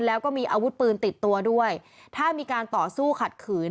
แล้วก็มีอาวุธปืนติดตัวด้วยถ้ามีการต่อสู้ขัดขืน